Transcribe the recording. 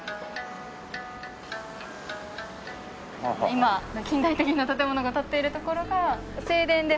今近代的な建物が立っているところが正殿で。